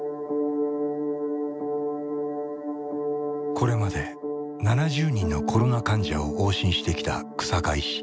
これまで７０人のコロナ患者を往診してきた日下医師。